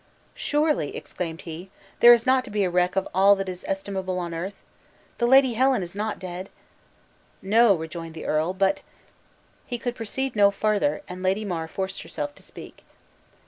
"Surely," exclaimed he, "there is not to be a wreck of all that is estimable on earth. The Lady Helen is not dead?" "No," rejoined the earl; "but " He could proceed no further, and Lady Mar forced herself to speak.